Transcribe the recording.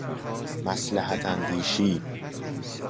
مصلحت اندیشی